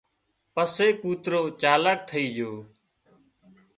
پسي ڪوترو چالاڪ ٿئي جھو